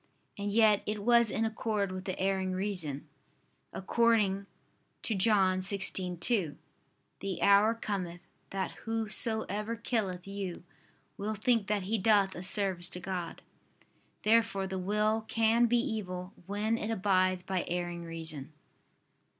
And yet it was in accord with the erring reason, according to John 16:2: "The hour cometh, that whosoever killeth you, will think that he doth a service to God." Therefore the will can be evil, when it abides by erring reason.